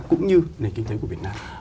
cũng như nền kinh tế của việt nam